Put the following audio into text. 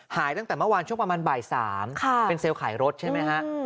ตั้งแต่เมื่อวานช่วงประมาณบ่าย๓เป็นเซลล์ขายรถใช่ไหมฮะ